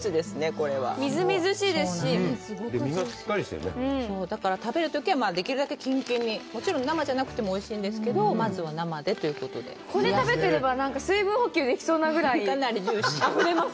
これはみずみずしいですし実がしっかりしてるねだから食べる時はできるだけキンキンにもちろん生じゃなくてもおいしいんですけどまずは生でということでこれ食べてれば水分補給できそうなぐらいかなりジューシーあふれます